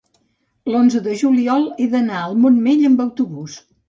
l'onze de juliol he d'anar al Montmell amb autobús.